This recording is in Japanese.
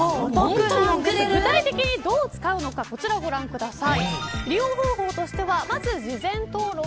具体的にどう使うのかこちらをご覧ください。